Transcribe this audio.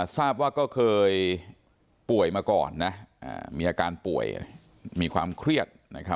ทราบว่าก็เคยป่วยมาก่อนนะมีอาการป่วยมีความเครียด